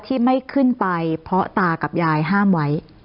ที่ไม่ขึ้นไปเพราะตากับยายห้ามไว้